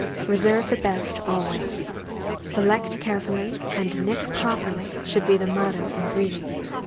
Re serve the best always. Select carefully and nick properly should be the motto in breeding.